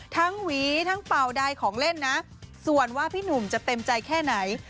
หวีทั้งเป่าใดของเล่นนะส่วนว่าพี่หนุ่มจะเต็มใจแค่ไหน